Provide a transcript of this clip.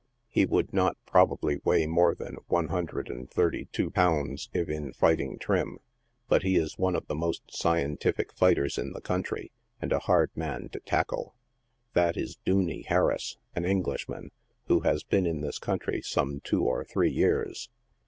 He would not, probably, weigh more than one hundred and thirty two pounds, if in fighting trim, but he is one of the most scientific fighters in the country, and a hard man to tackle. That is "Dooney" Harris, an Englishman, who has been in this country some two or three years.